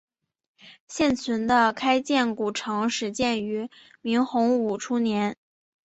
现存的开建古城始建于明洪武初年。